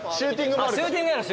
シューティングもある。